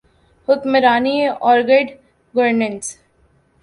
حکمرانی اورگڈ گورننس۔